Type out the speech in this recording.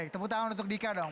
tepuk tangan untuk dika dong